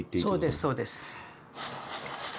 そうですそうです。